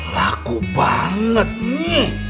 laku banget mi